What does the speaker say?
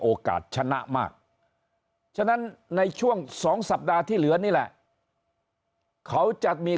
ชนะมากฉะนั้นในช่วง๒สัปดาห์ที่เหลือนี่แหละเขาจะมี